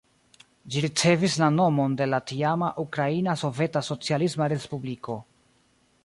Ĝi ricevis la nomon de la tiama Ukraina Soveta Socialisma Respubliko.